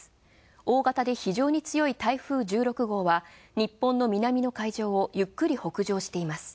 大型で非常に強い台風１６号は日本の南の海上をゆっくり北上しています。